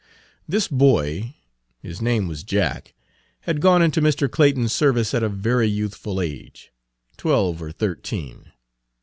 This boy his name was Jack had gone into Mr. Clayton's service at a very youthful age, twelve or thirteen.